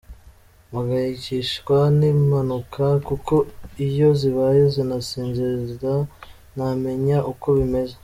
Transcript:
Mpangayikishwa n’impanuka, kuko iyo zibaye sinasinzira ntamenye uko bimeze.